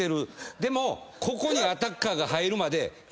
でもここにアタッカーが入るまで。